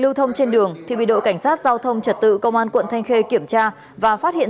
lưu thông trên đường thì bị đội cảnh sát giao thông trật tự công an quận thanh khê kiểm tra và phát hiện